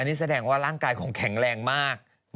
นี่แสดงว่าร่างกายคงแข็งแรงมาก